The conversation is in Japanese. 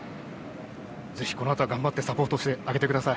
ぜひ、このあとは頑張ってサポートしてあげてください。